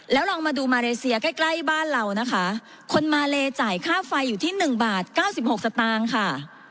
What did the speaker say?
แล้วลองมาดูมาเลเซียใกล้ใกล้บ้านเรานะคะคนมาเลจ่ายค่าไฟอยู่ที่๑บาท๙๖สตางค์ค่ะ